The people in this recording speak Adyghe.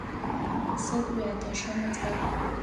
Сыд уятэщым ыцӏэр?